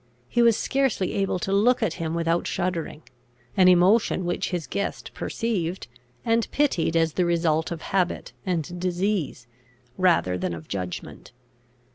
He was scarcely able to look at him without shuddering; an emotion which his guest perceived, and pitied as the result of habit and disease, rather than of judgment.